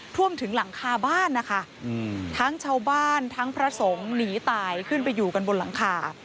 ท่วมถึงหลังคาบ้านนะคะทั้งชาวบ้านทั้งพระสงฆ์หนีตายขึ้นไปอยู่กันบนหลังคา